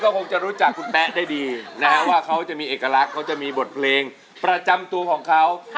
คงจะรู้จักคุณแป๊ะได้ดีนะฮะว่าเขาจะมีเอกลักษณ์เขาจะมีบทเพลงประจำตัวของเขา